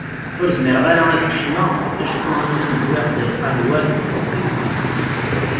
Ur zmireɣ ara ad d-kecmeɣ acku a-t-an wwiɣ-d lqahwa deg ufus-iw.